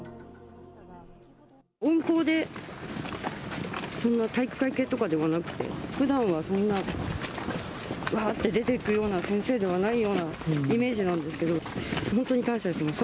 温厚でそんな体育会系とかではなくて、ふだんはそんな、ばーって出ていくような先生ではないようなイメージなんですけど、本当に感謝してます。